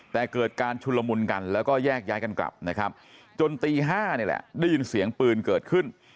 แต่เกิดการชุลมุนกันแล้วก็แยกย้ายกันกลับนะครับจนตี๕นี่แหละได้ยินเสียงปืนเกิดขึ้น